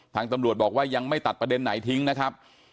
ทางตำรวจบอกว่ายังไม่ตัดประเด็นไหนทิ้งนะครับ